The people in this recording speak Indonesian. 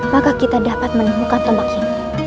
maka kita dapat menemukan tempat ini